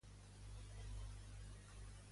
I en el cas de Sànchez i Cuixart en concret?